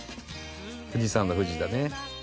「富士山の富士だね」